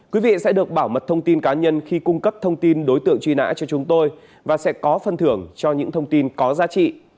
quý vị sẽ được bảo mật thông tin cá nhân khi cung cấp thông tin đối tượng truy nã cho chúng tôi và sẽ có phân thưởng cho những thông tin có giá trị